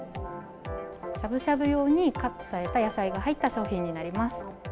しゃぶしゃぶ用にカットされた野菜が入った商品になります。